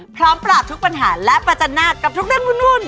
พร้อมประหลาดทุกปัญหาและประจำนาจกับทุกเรื่องหมื่น